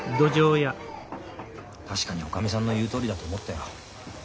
確かにおかみさんの言うとおりだと思ったよ。